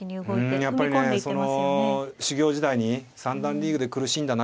うんやっぱりねその修業時代に三段リーグで苦しんだ中で。